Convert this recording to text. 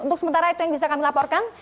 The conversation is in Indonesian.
untuk sementara itu yang bisa kami laporkan